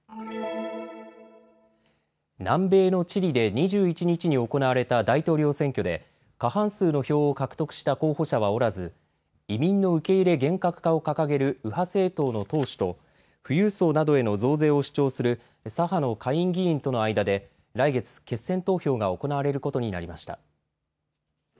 南米のチリで２１日に行われた大統領選挙で過半数の票を獲得した候補者はおらず移民の受け入れ厳格化を掲げる右派政党の党首と富裕層などへの増税を主張する左派の下院議員との間で来月、決選投票が行われることになりました。